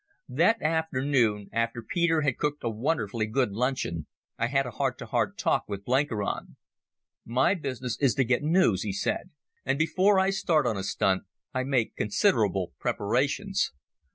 That afternoon, after Peter had cooked a wonderfully good luncheon, I had a heart to heart talk with Blenkiron. "My business is to get noos," he said; "and before I start on a stunt I make considerable preparations.